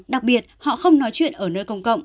đặc biệt họ không nói chuyện ở nơi công cộng